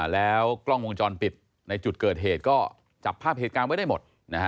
แล้วกล้องวงจรปิดในจุดเกิดเหตุก็จับภาพเหตุการณ์ไว้ได้หมด